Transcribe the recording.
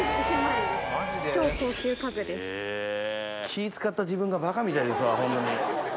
気ぃ使った自分がバカみたいですわ。